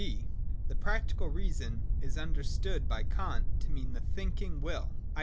J (b) The Practical Reason is understood by Kant to mean a thinking Will, i.